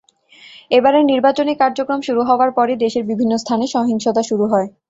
এবারের নির্বাচনী কার্যক্রম শুরু হওয়ার পরই দেশের বিভিন্ন স্থানে সহিংসতা শুরু হয়।